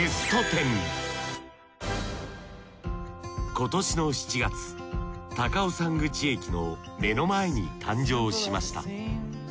今年の７月高尾山口駅の目の前に誕生しました。